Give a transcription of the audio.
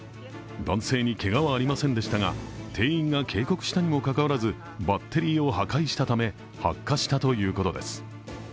男性にけがはありませんでしたが店員が警告したにもかかわらずバッテリーを破壊したため発火したということです。